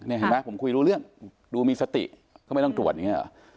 เห็นไหมผมคุยรู้เรื่องดูมีสติก็ไม่ต้องตรวจอย่างนี้หรอ